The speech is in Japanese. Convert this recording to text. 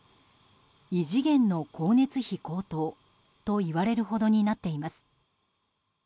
異次元の光熱費高騰といわれるほどになっています。